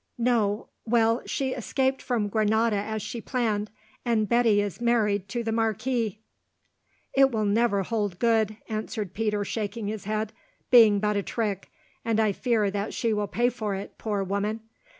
No—well, she escaped from Granada as she planned, and Betty is married to the marquis." "It will never hold good," answered Peter shaking his head, "being but a trick, and I fear that she will pay for it, poor woman!